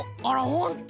ほんと。